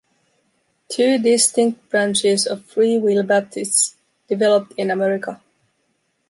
Two distinct branches of Free Will Baptists developed in America.